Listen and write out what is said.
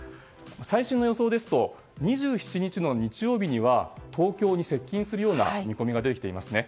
最新の予想ですと２７日の日曜日には東京に接近するような見込みが出てきています。